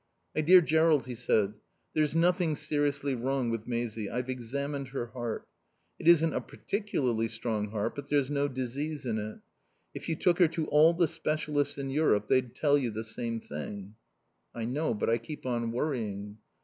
"My dear Jerrold," he said, "there's nothing seriously wrong with Maisie. I've examined her heart. It isn't a particularly strong heart, but there's no disease in it. If you took her to all the specialists in Europe they'd tell you the same thing." "I know, but I keep on worrying."